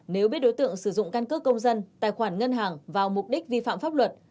nếu biết đối tượng sử dụng căn cước công dân tài khoản ngân hàng vào mục đích vi phạm pháp luật